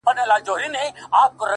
o پرېښودلای خو يې نسم ـ